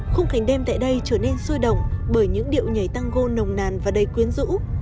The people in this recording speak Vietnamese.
khung cảnh đêm tại đây trở nên sôi động bởi những điệu nhảy tăng gô nồng nàn và đầy quyến rũ